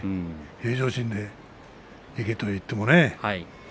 平常心でいけと言ってもね。